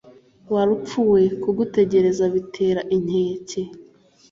wa rupfu we, kugutekereza bitera inkeke